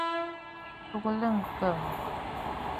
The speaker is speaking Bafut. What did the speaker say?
A tuʼulə ŋkhə.